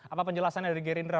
apa penjelasannya dari gerindra